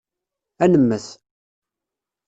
Ad nemmet.